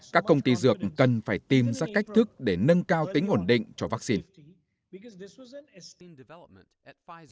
các công ty dược cần phải tìm ra cách thức để nâng cao tính ổn định cho vaccine